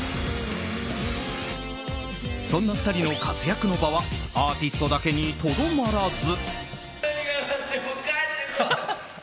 そんな２人の活躍の場はアーティストだけにとどまらず。